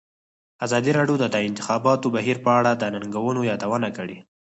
ازادي راډیو د د انتخاباتو بهیر په اړه د ننګونو یادونه کړې.